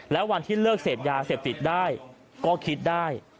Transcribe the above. แล้ววันที่เลิกเสพยาเสพติดได้ก็คิดได้